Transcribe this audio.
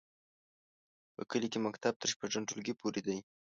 په کلي کې مکتب تر شپږم ټولګي پورې دی.